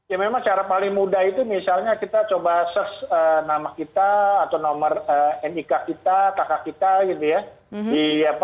ya memang cara paling mudah itu misalnya kita coba search nama kita atau nomor nik kita kakak kita gitu ya